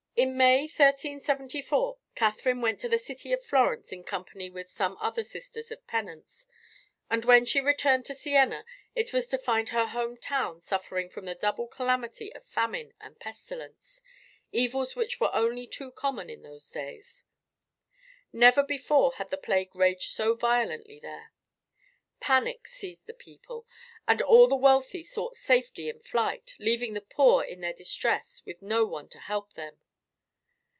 In May, 1374, Catherine went to the city of Florence in company with some other Sisters of Penance, and when she returned to Siena it was to find her home town suffering from the double calamity of famine and pestilence, evils which were only too common in those days. Never before had the plague raged so violently there. Panic seized the people, and all the wealthy sought safety in flight, leaving the poor in their distress with no one to help them.